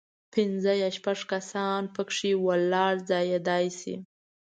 پنځه یا شپږ کسان په کې ولاړ ځایېدای شي.